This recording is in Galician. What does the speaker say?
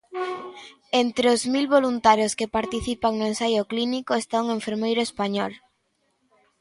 Entre os mil voluntarios que participan no ensaio clínico está un enfermeiro español.